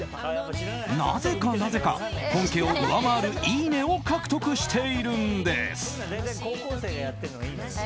なぜかなぜか、本家を上回るいいねを獲得しているんです。